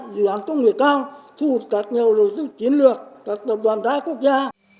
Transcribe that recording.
dự án công nghệ cao thu hút các nhà đầu tư chiến lược các tập đoàn đa quốc gia